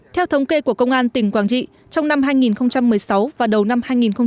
theo thống kê của công an tỉnh quảng trị trong năm hai nghìn một mươi sáu và đầu năm hai nghìn một mươi chín